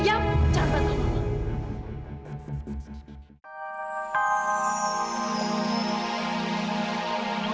jangan bantah mama